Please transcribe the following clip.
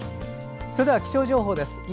それでは気象情報です。